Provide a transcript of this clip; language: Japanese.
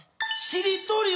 しりとり？